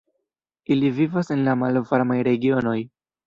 Ili vivas en la malvarmaj regionoj.